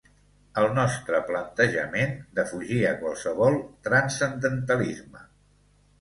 El nostre plantejament defugia qualsevol transcendentalisme.